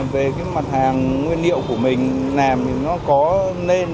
về cái mặt hàng nguyên liệu của mình làm thì nó có nên